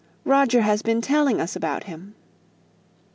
"Roger has been telling us about him."